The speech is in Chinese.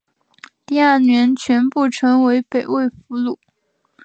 第二年全部成为北魏俘虏。